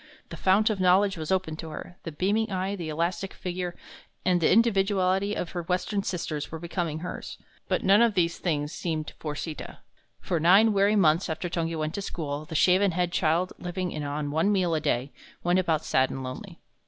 The fount of knowledge was opened to her the beaming eye, the elastic figure, and the individuality of her Western sisters were becoming hers. But none of these things seemed for Sita. For nine weary months after Tungi went to school, the shaven headed child, living on one meal a day, went about sad and lonely.